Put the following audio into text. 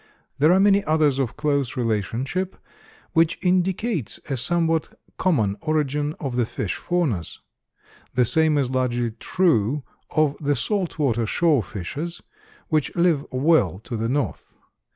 There are many others of close relationship, which indicates a somewhat common origin of the fish faunas. The same is largely true of the salt water shore fishes, which live well to the north.